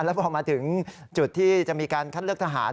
แล้วพอมาถึงจุดที่จะมีการคัดเลือกทหาร